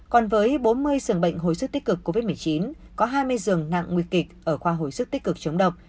còn với bốn mươi dường bệnh hồi sức tích cực covid một mươi chín có hai mươi dường nặng nguy kịch ở khoa hồi sức tích cực chống độc